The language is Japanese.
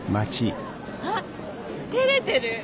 あってれてる！